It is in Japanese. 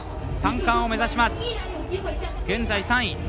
３冠を目指します、現在３位。